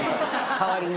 代わりに。